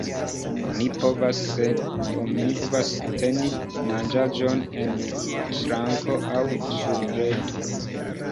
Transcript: Oni povas teni manĝaĵon en ŝranko aŭ sur breto.